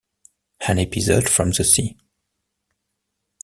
An episode from the sea.